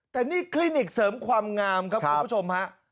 แต่นี่คลินิกเสริมความงามครับคุณผู้ชมฮะ